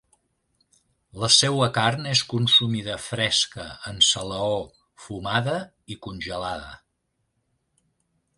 La seua carn és consumida fresca, en salaó, fumada i congelada.